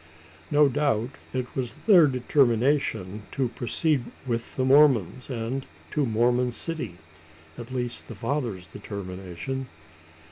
No doubt it was their determination to proceed with the Mormons, and to the Mormon city at least the father's determination.